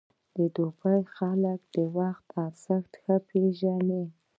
د دوبی خلک د وخت ارزښت ښه پېژني.